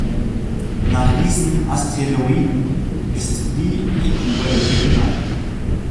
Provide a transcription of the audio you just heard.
Nach diesem Asteroiden ist die Hecuba-Lücke benannt.